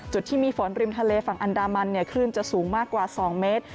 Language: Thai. จุดที่มีฝนริมทะเลฝั่งอันดามันเนี่ยคลื่นจะสูงมากกว่า๒เมตร